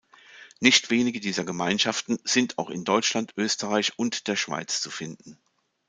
Nicht wenige dieser Gemeinschaften sind auch in Deutschland, Österreich und der Schweiz zu finden.